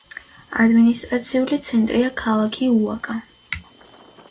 ადმინისტრაციული ცენტრია ქალაქი უაკა.